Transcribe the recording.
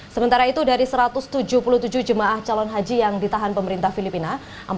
sementara itu dari satu ratus tujuh puluh tujuh jemaah calon haji yang ditahan pemerintah filipina